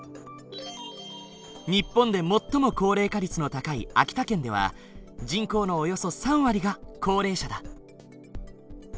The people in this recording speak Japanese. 日本で最も高齢化率の高い秋田県では人口のおよそ３割が高齢者だ。